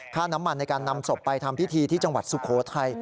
น้ำมันในการนำศพไปทำพิธีที่จังหวัดสุโขทัย